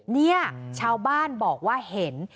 เนี่ยชาวบ้านบอกว่าเห็น